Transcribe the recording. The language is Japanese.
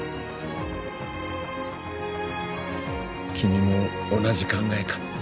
君も同じ考えか？